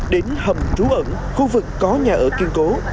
đến hầm trú ẩn khu vực có nhà ở kiên cố